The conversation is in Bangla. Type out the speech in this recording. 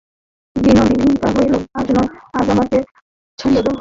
বিনোদিনী কহিল, আজ নয়, আজ আমাকে ছাড়িয়া দাও।